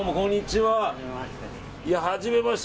はじめまして。